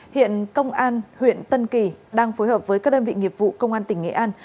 hiện công an huyện tân kỳ đang phối hợp với các đơn vị nghiệp vụ công an tỉnh nghệ an